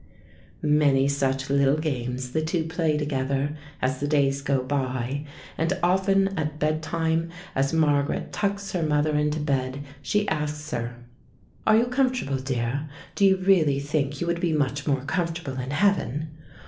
Many such little games the two play together, as the days go by; and often at bedtime, as Margaret tucks her mother into bed, she asks her: "Are you comfortable, dear? Do you really think you would be much more comfortable in heaven?"